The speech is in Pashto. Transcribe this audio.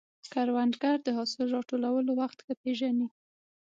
کروندګر د حاصل راټولولو وخت ښه پېژني